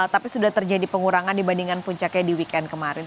tapi sudah terjadi pengurangan dibandingkan puncaknya di weekend kemarin